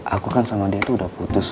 aku kan sama dia itu udah putus